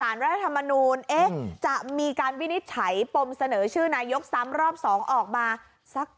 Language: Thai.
สารรัฐมานูลจะมีการวินิจฉัยปลอมเสนอชื่อนายกสามรอบสองออกมา